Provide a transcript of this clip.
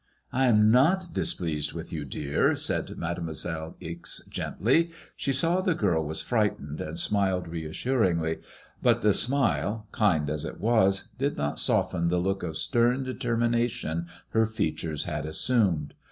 ''I am not displeased with you, dear," said Mademoiselle Ixe, gently. She saw the girl was frightened, and smiled re assuringly ; bat the smile, kind as it was, did not soften the look of stem determination her features had assumed.